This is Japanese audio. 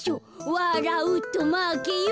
わらうとまけよ。